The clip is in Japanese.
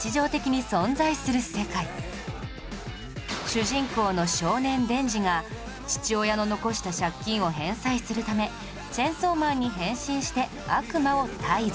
主人公の少年デンジが父親の残した借金を返済するためチェンソーマンに変身して悪魔を退治